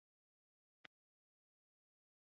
د ایران او هند میشتو شاعرانو ترمنځ توپیر رامنځته شو